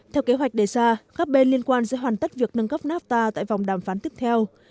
theo kế hoạch đề ra các bên liên quan sẽ hoàn tất việc nâng cấp nafta tại vòng đàm phán tiếp theo